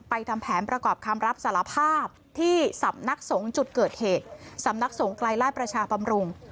ทำแผนประกอบคำรับสารภาพที่สำนักสงฆ์จุดเกิดเหตุสำนักสงไกลไล่ประชาบำรุง